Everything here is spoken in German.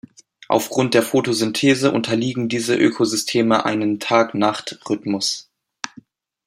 Aufgrund der Photosynthese unterliegen diese Ökosysteme einen Tag-Nacht-Rhythmus.